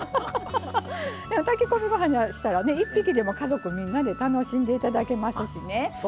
炊き込みご飯にしたらね１匹でも家族みんなで楽しんで頂けますしね。